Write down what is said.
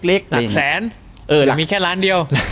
หลักแสนหรือมีแค่ล้านเดียว